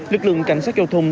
lực lượng cảnh sát giao thông